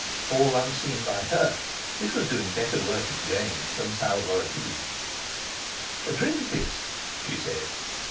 All unseen by her, it was doing better work in James than sal volatile. "Drink this," she said.